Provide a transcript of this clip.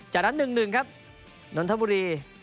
จากนั้น๑๑ครับนวลธับบุรี